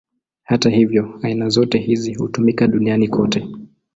Hata hivyo, aina zote hizi hutumika duniani kote.